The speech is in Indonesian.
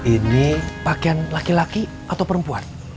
ini pakaian laki laki atau perempuan